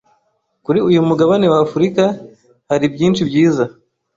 kuri uyu mugabane w’Africa hari byinshi byiza